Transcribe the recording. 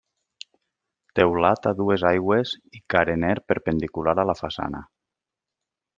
Teulat a dues aigües i carener perpendicular a la façana.